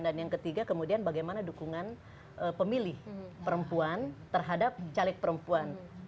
dan yang ketiga kemudian bagaimana dukungan pemilih perempuan terhadap caleg perempuan